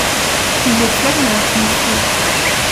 Il est flâneur, monsieur…